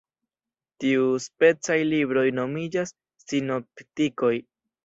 Tiuspecaj libroj nomiĝas sinoptikoj.